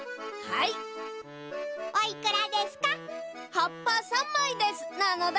はっぱ３まいですなのだ。